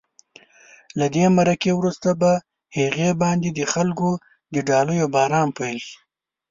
له دې مرکې وروسته په هغې باندې د خلکو د ډالیو باران پیل شو.